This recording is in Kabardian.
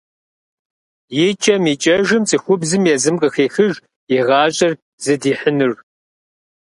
Икӏэм-икӏэжым цӏыхубзым езым къыхехыж и гъащӏэр зыдихьынур.